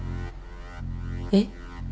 えっ？